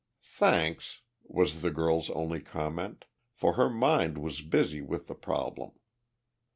"Thanks," was the girl's only comment, for her mind was busy with the problem.